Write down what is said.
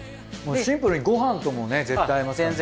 シンプルにご飯とも絶対合いますからね。